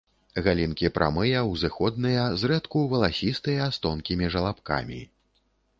Галінкі прамыя, узыходныя, зрэдку валасістыя, з тонкімі жалабкамі.